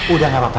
udah gak apa apa